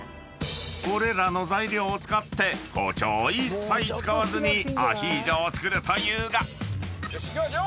［これらの材料を使って包丁を一切使わずにアヒージョを作るというが］いきますよ。